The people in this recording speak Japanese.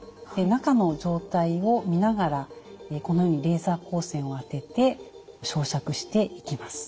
中の状態を見ながらこのようにレーザー光線を当てて焼灼していきます。